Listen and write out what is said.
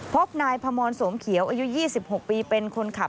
พบนายพมรสมเขียวอายุ๒๖ปีเป็นคนขับ